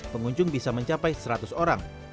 pengunjung bisa mencapai seratus orang